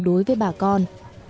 đối với bà con